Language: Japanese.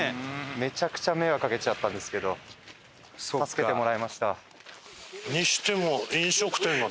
めちゃくちゃ迷惑かけちゃったんですけど助けてもらいました。